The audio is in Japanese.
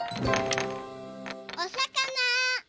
おさかな。